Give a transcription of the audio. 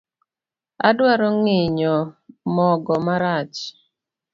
Adwaro ng'inyo mogo marach.